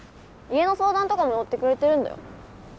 家の相談とか乗ってくれてるんだよ。